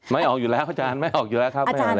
ไม่ออกอยู่แล้วอาจารย์ไม่ออกอยู่แล้วครับ